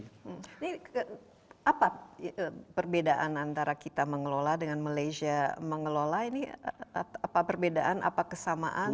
ini apa perbedaan antara kita mengelola dengan malaysia mengelola ini apa perbedaan apa kesamaan